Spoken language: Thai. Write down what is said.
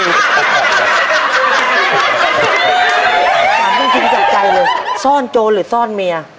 มันต้องกินจากใกล้เลยซ่อนโจรหรือซ่อนเมีย